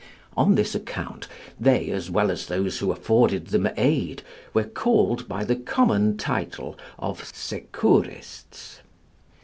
On this account they, as well as those who afforded them aid, were called by the common title of Secourists.